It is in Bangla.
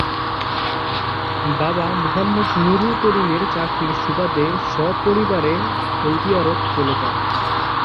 বাবা মোহাম্মদ নুরুল করিমের চাকরির সুবাদে সপরিবারে সৌদি আরব চলে যান।